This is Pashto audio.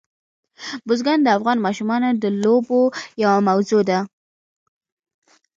بزګان د افغان ماشومانو د لوبو یوه موضوع ده.